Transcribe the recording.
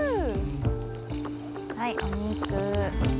はいお肉。